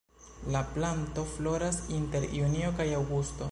La planto floras inter junio kaj aŭgusto.